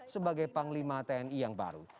sebagai panglima tni yang baru